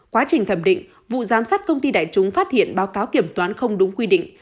quá trình thẩm định vụ giám sát công ty đại chúng phát hiện báo cáo kiểm toán không đúng quy định